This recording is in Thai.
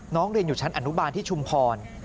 เรียนอยู่ชั้นอนุบาลที่ชุมพร